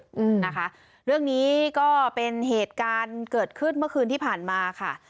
อืมนะคะเรื่องนี้ก็เป็นเหตุการณ์เกิดขึ้นเมื่อคืนที่ผ่านมาค่ะ